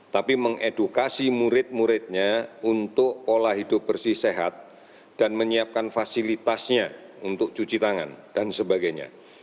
tapi mengedukasi murid muridnya untuk pola hidup bersih sehat dan menyiapkan fasilitasnya untuk cuci tangan dan sebagainya